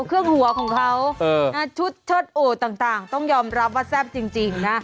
เครื่องหัวของเขาชุดเชิดโอต่างต้องยอมรับว่าแซ่บจริงนะ